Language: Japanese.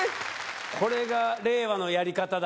これが令和のやり方だ？